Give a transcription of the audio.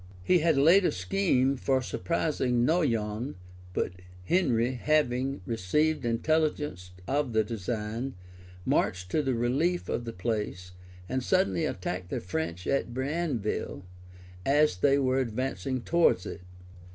He had laid a scheme for surprising Noyon; but Henry, having received intelligence of the design, marched to the relief of the place, and suddenly attacked the French at Brenneville, as they were advancing towards it.